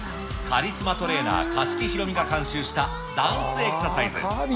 カリスマトレーナー、樫木裕実が監修したダンスエクササイズ。